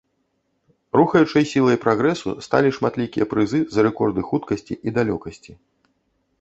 Рухаючай сілай прагрэсу сталі шматлікія прызы за рэкорды хуткасці і далёкасці.